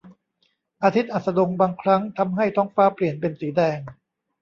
อาทิตย์อัสดงบางครั้งทำให้ท้องฟ้าเปลี่ยนเป็นสีแดง